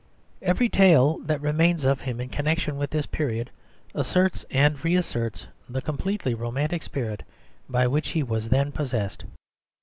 Every tale that remains of him in connection with this period asserts and reasserts the completely romantic spirit by which he was then possessed.